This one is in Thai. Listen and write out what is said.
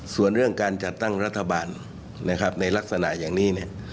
ส่วนเรื่องการจัดตั้งรัฐบาลในลักษณะอย่างนี้